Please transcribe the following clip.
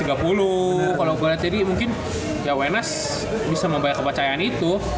kalau gue liat tadi ya wenas bisa membayar kepercayaan itu